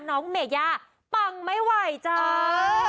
น้องเมย่าปังไม่ไหวจ้า